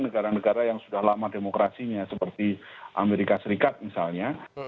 negara negara yang sudah lama demokrasinya seperti amerika serikat misalnya